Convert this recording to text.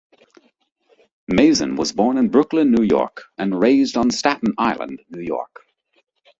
Mazin was born in Brooklyn, New York, and raised on Staten Island, New York.